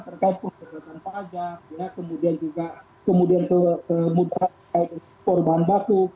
pembelajar ya kemudian juga kemudian ke mudahnya perubahan baku